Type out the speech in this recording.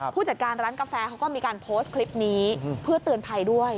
ผู้จัดการร้านกาแฟเขาก็มีการโพสต์คลิปนี้เพื่อเตือนภัยด้วย